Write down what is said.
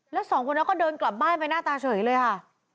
แล้วสองคนนั้นก็เดินกลับบ้านไปหน้าตาเฉยเลยค่ะ